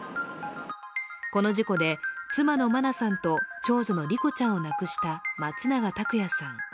この事故で妻の真菜さんと長女の莉子ちゃんを亡くした松永拓也さん。